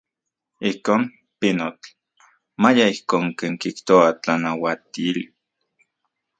Ijkon, pinotl, maya ijkon ken kijtoa tlanauatili.